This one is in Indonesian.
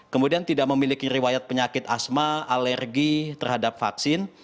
kemudian tidak memiliki riwayat penyakit asma alergi terhadap vaksin